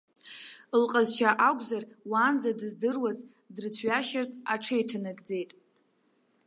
Лҟазшьа акәзар, уаанӡа дыздыруаз дрыцәҩашьартә, аҽеиҭанакӡеит.